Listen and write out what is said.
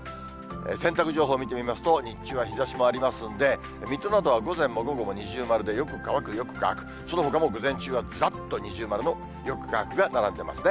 洗濯情報を見てみますと、日中は日ざしもありますんで、水戸などは午前も午後も二重丸で、よく乾く、よく乾く、そのほかも午前中はずらっと二重丸のよく乾くが並んでますね。